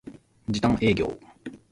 時短営業